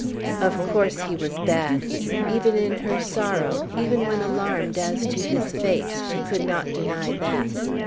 Of course he was bad. Even in her sorrow, even when alarmed as to his fate, she could not deny that.